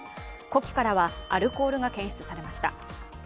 呼気からはアルコールが検出されました。